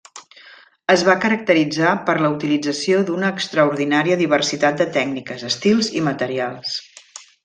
Es va caracteritzar per la utilització d'una extraordinària diversitat de tècniques, estils i materials.